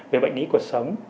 về bệnh lý cuộc sống